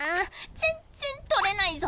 全然取れないぞ！